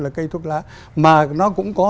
là cây thuốc lá mà nó cũng có